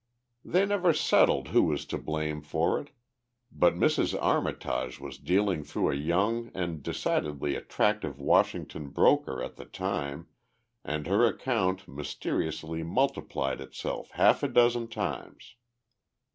"They never settled who was to blame for it, but Mrs. Armitage was dealing through a young and decidedly attractive Washington broker at the time and her account mysteriously multiplied itself half a dozen times.